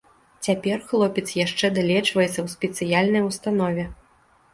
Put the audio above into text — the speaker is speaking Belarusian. Цяпер хлопец яшчэ далечваецца ў спецыяльнай установе.